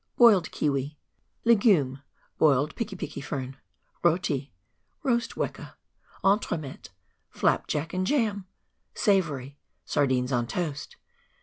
Boiled Kiwi. Legumes. Boiled PiM PiM Fern, E,OTI. Eoast Weka. Entremets. Elap Jack and Jam. Savotiey. Sardines on Toast.